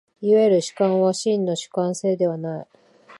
いわゆる主観は真の主観性ではない。